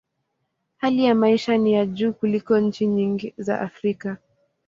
Hali ya maisha ni ya juu kuliko nchi nyingi za Afrika.